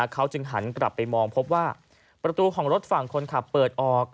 เขาจึงหันกลับไปมองพบว่าประตูของรถฝั่งคนขับเปิดออก